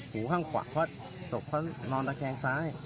หูข้างกว่าก็โสปเขานอนตั้งแขนซ้าย